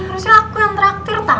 harusnya aku yang traktir tau